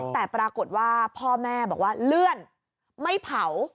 แต่ปรากฏว่าพ่อแม่บอกว่าเลื่อนไม่เผา